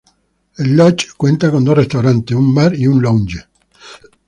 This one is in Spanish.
El Lodge cuenta con dos restaurantes, un bar y un "lounge".